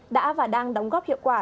đã và đang đóng góp hiệu quả